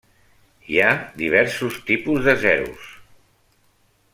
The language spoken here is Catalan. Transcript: Hi ha diversos tipus de zeros.